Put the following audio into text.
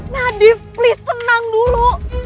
nadif please tenang dulu